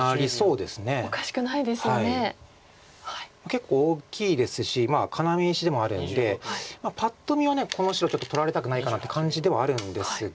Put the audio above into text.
結構大きいですし要石でもあるんでパッと見はこの白ちょっと取られたくないかなって感じではあるんですが。